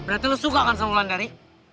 berarti lo suka kan sama wulandari